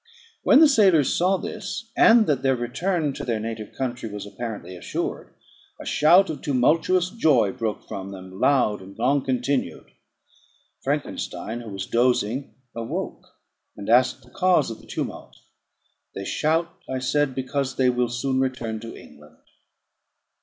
When the sailors saw this, and that their return to their native country was apparently assured, a shout of tumultuous joy broke from them, loud and long continued. Frankenstein, who was dozing, awoke, and asked the cause of the tumult. "They shout," I said, "because they will soon return to England."